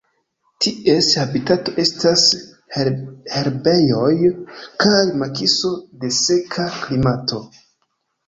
Ties habitato estas herbejoj kaj makiso de seka klimato.